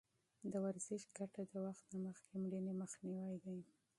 د ورزش ګټه د وخت نه مخکې مړینې مخنیوی دی.